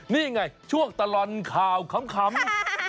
นี่ไงช่วงตลอดข่าวขำ